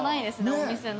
お店の。